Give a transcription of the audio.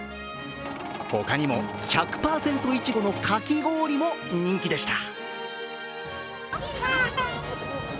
他にも１００％いちごのかき氷も人気でした。